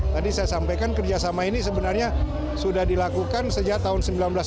tadi saya sampaikan kerjasama ini sebenarnya sudah dilakukan sejak tahun seribu sembilan ratus sembilan puluh